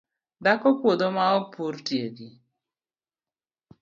Dhako puodho maok purtieki